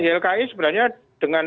ilki sebenarnya dengan